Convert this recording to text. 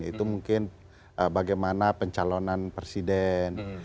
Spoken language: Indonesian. itu mungkin bagaimana pencalonan presiden